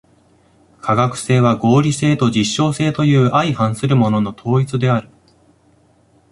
科学性は合理性と実証性という相反するものの統一である。